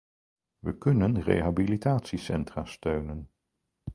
We kunnen rehabilitatiecentra steunen.